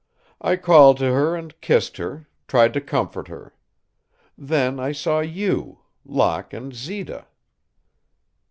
I called to her and kissed her, tried to comfort her. Then I saw you, Locke, and Zita."